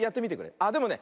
あでもね